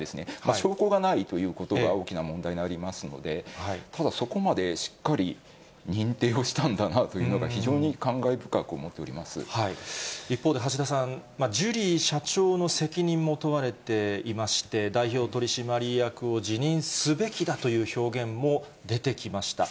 証拠がないということが大きな問題にありますので、ただ、そこまでしっかり認定をしたんだなというのが非常に感慨深く思っ一方で橋田さん、ジュリー社長の責任も問われていまして、代表取締役を辞任すべきだという表現も出てきました。